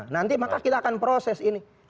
nanti maka kita akan proses ini